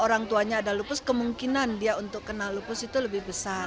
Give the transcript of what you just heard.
orang tuanya ada lupus kemungkinan dia untuk kena lupus itu lebih besar